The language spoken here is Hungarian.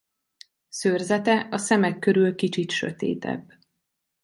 Szőrzete a szemek körül kicsit sötétebb.